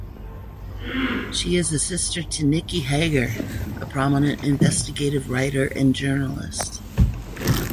She is a sister to Nicky Hager, a prominent investigative writer and journalist.